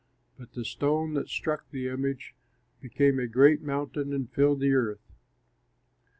But the stone that struck the image became a great mountain and filled the earth.